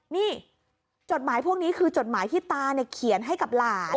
นี่จดหมายพวกนี้คือจดหมายที่ตาเขียนให้กับหลาน